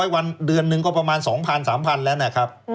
๖๐๖๐๐วันเดือนนึงก็ประมาณ๒๐๐๐๓๐๐๐บาทแล้วนะครับ